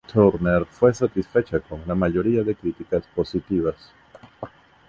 La actuación de Turner fue satisfecha con una mayoría de críticas positivas.